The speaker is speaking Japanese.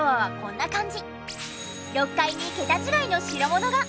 ６階に桁違いの代物が！